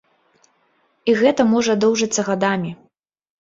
І гэта можа доўжыцца гадамі.